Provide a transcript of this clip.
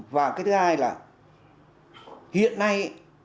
và cái thứ hai là hiện nay